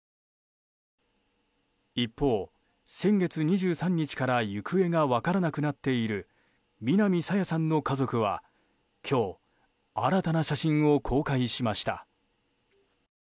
一方、先月２３日から行方が分からなくなっている南朝芽さんの家族は今日、新たな写真を公開しました。